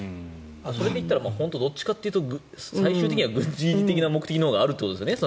それでいったらどっちかっていうと最終的には軍事的な目的があるということですよね。